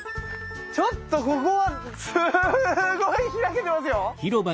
ちょっとここはすごい開けてますよ！